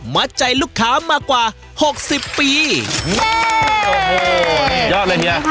มัดใจลูกค้ามากว่าหกสิบปีโอ้โหสุดยอดเลยเฮีย